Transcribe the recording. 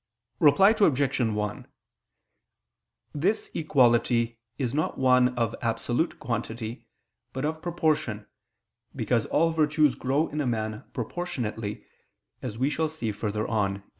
Reply Obj. 1: This equality is not one of absolute quantity, but of proportion: because all virtues grow in a man proportionately, as we shall see further on (A.